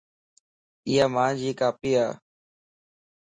ايا مان جي کاپي ا